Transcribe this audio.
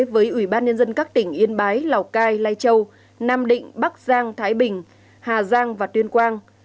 với ủy ban nhân dân các tỉnh yên bái lào cai lai châu nam định bắc giang thái bình hà giang và tuyên quang